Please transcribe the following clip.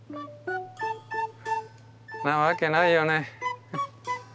なわけないよね。